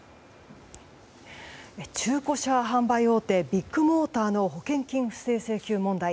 中古車販売大手ビッグモーターの保険金不正請求問題。